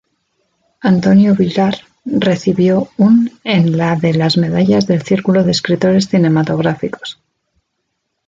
Antonio Vilar recibió un en la de las medallas del Círculo de Escritores Cinematográficos.